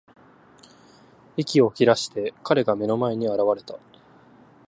息を切らして、彼が目の前に現れた。